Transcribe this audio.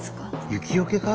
雪よけか？